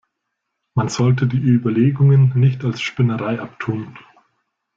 Man sollte die Überlegungen nicht als Spinnerei abtun.